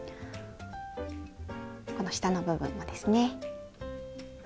この下の部分もですね。